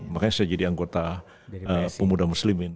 makanya saya jadi anggota pemuda muslimin